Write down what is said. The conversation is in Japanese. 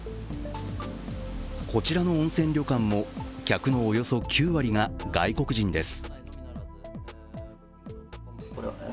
こちらの温泉旅館も客のおよそ９割が外国人です。